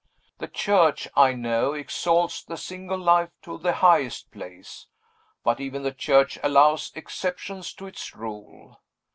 The Church, I know, exalts the single life to the highest place. But even the Church allows exceptions to its rule.